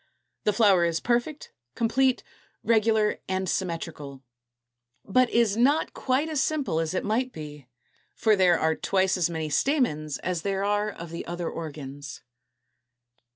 The flower is perfect, complete, regular, and symmetrical, but is not quite as simple as it might be; for there are twice as many stamens as there are of the other organs.